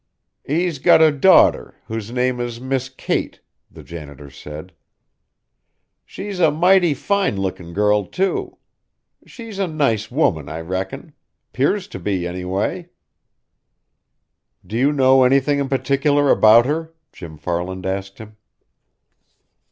"He's got a daughter, whose name is Miss Kate," the janitor said. "She's a mighty fine lookin' girl, too. She's a nice woman, I reckon. 'Pears to be, anyway." "Do you know anything in particular about her?" Jim Farland asked him.